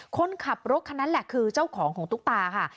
คนขับรถคันนั้นแหละคือเจ้าของของตุ๊กตาค่ะ